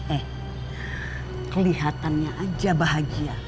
eh kelihatannya aja bahagia